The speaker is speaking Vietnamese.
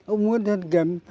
ông nguyễn xuân kiểm